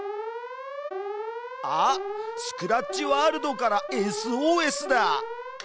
あっスクラッチワールドからＳＯＳだ！